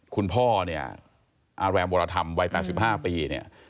คุณพ่อเนี่ยอาแรมวรธรรมวัย๘๕ปีเนี่ย